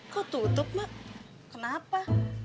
kok tutup mbak kenapa